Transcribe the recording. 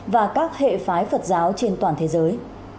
và các hệ phái phật giáo trên toàn thế giới